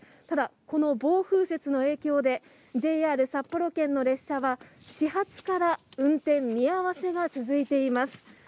ただ、この暴風雪の影響で、ＪＲ札幌圏の列車は、始発から運転見合わせが続いています。